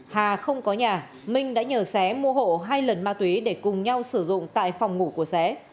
hà không có nhà minh đã nhờ xé mua hộ hai lần ma túy để cùng nhau sử dụng tại phòng ngủ của xé